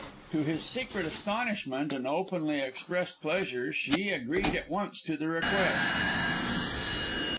To his secret astonishment and openly expressed pleasure, she agreed at once to the request.